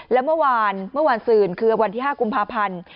และเมื่อวานเมื่อวานซื่นคือวันที่๕กุมภาพันธ์